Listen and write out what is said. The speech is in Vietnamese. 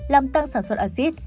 làm tăng sản xuất axit